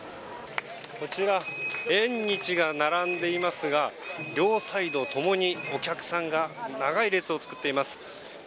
こちら、縁日が並んでいますが両サイド共にお客さんが長い列を作っています。